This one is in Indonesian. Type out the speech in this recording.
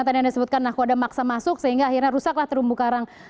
disebutkan nahku ada maksa masuk sehingga akhirnya rusaklah terumbu karang